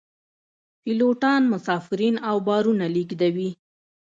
پیلوټان مسافرین او بارونه لیږدوي